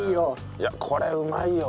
いやこれうまいよ。